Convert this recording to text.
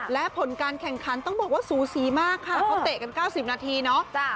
และผลการแข่งขันต้องบอกว่าสูสีมากค่ะเขาเตะกัน๙๐นาทีเนาะ